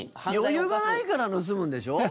余裕がないから盗むんでしょ？